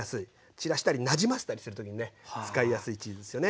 散らしたりなじませたりする時にね使いやすいチーズっすよね。